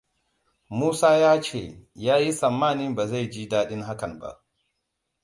Musa ya ce ya yi tsammanin ba zai ji daɗin hakan ba.